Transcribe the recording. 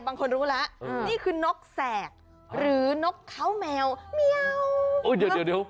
บางคนรู้แล้วนี่คือนกแสกหรือนกเขาแมวเมียวเออเดี๋ยวเดี๋ยว